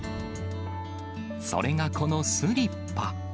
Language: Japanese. それが、このスリッパ。